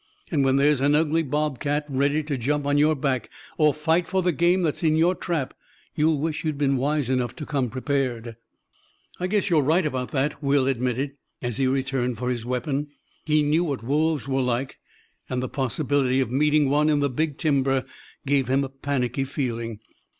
"And when there's an ugly bobcat ready to jump on your back or fight for the game that's in your trap, you'll wish you'd been wise enough to come prepared." "I guess you're right about that," Will admitted, as he returned for his weapon. He knew what wolves were like, and the possibility of meeting one in the big timber gave him a panicky feeling.